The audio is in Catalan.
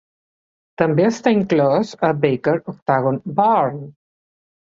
També està inclòs a Baker Octagon Barn.